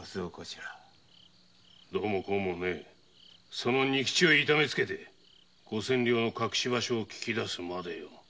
その仁吉を痛めつけて五千両の隠し場所を聞き出すのだ。